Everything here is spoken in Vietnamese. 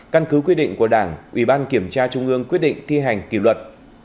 căn cứ quy định của đảng ủy ban kiểm tra trung ương quyết định thi hành kỷ luật